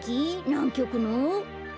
なんきょくの？